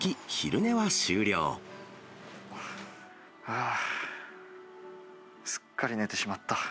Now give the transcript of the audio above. あー、すっかり寝てしまった。